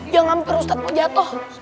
yang hampir ustadz mau jatuh